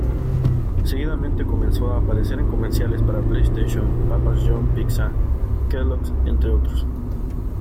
Seguidamente, comenzó a aparecer en comerciales para PlayStation, Papa John's Pizza, Kellogg's, entre otros.